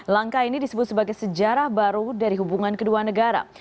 langkah ini disebut sebagai sejarah baru dari hubungan kedua negara